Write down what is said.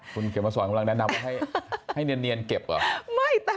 คุณเขียนมาสอนกำลังแนะนำว่าให้เนียนเก็บเหรอ